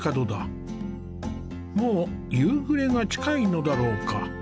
もう夕暮れが近いのだろうか。